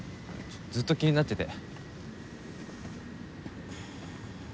ずっと気になってて。